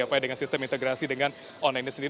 upaya dengan sistem integrasi dengan online ini sendiri